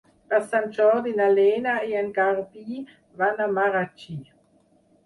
Per Sant Jordi na Lena i en Garbí van a Marratxí.